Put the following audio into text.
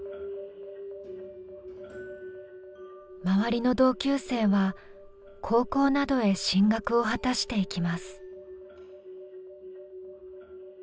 周りの同級生は高校などへ進学を果たしていきます。